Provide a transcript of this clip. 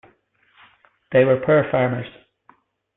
They were poor farmers.